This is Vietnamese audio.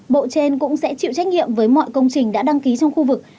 bộ trên cũng sẽ chịu trách nhiệm với mọi công trình đã đăng ký trong khu vực